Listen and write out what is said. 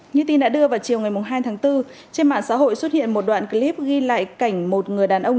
như tin đã đưa vào chiều ngày hai tháng bốn trên mạng xã hội xuất hiện một đoạn clip ghi lại cảnh một người đàn ông